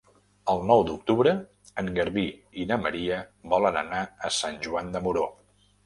El nou d'octubre en Garbí i na Maria volen anar a Sant Joan de Moró.